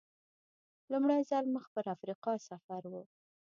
لومړی ځل مخ پر افریقا سفر و.